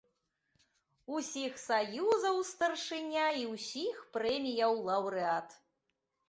Усіх саюзаў старшыня і ўсіх прэміяў лаўрэат.